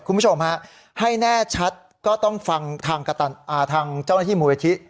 คุณผู้ชมฮะให้แน่ชัดก็ต้องฟังทางเจ้าหน้าที่มูลนิธิ